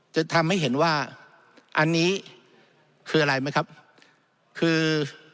จะทำให้เห็นว่าอันนี้คืออะไรไหมครับคือ